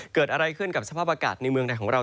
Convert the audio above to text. เกิดอะไรขึ้นกับสภาพอากาศในเมืองไทยของเรา